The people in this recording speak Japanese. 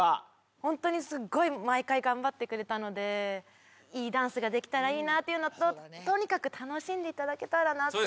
本当にスゴい毎回頑張ってくれたのでいいダンスができたらいいなっていうのととにかく楽しんでいただけたらなと思って。